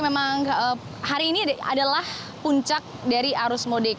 memang hari ini adalah puncak dari arus mudik